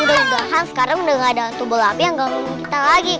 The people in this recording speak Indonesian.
udah udahan sekarang udah gak ada hantu bola api yang ganggu kita lagi